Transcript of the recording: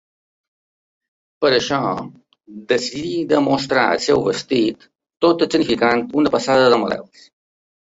Per això, decidí de mostrar el seu vestit tot escenificant una passada de models.